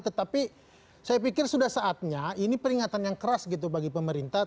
tetapi saya pikir sudah saatnya ini peringatan yang keras gitu bagi pemerintah